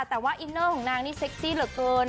แต่ว่าอินเนอร์ของนางนี่เซ็กซี่เหลือเกิน